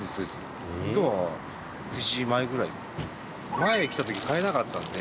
前来た時買えなかったんで。